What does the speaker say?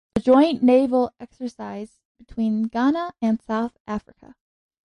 A joint naval exercise between Ghana and South Africa.